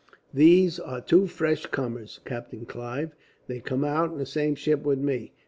"These are two fresh comers, Captain Clive. They came out in the same ship with me.